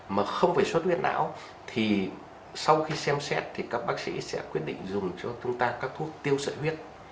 mà không phải suốt huyết não thì sau khi xem xét thì các bác sĩ sẽ quyết định dùng cho chúng ta các thuốc tiêu sợi huyết